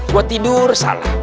gue tidur salah